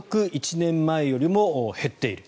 １年前よりも減っている。